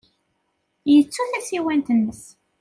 Yettu tasiwant-nnes.